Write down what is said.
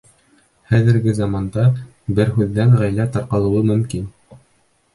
Хәҙерге заманда бер һүҙҙән ғаилә тарҡалыуы мөмкин.